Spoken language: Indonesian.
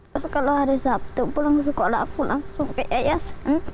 terus kalau hari sabtu pulang sekolah pulang sopiayas